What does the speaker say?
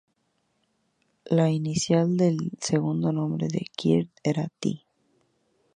La inicial del segundo nombre de Kirk era "T".